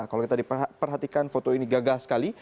kalau kita diperhatikan foto ini gagah sekali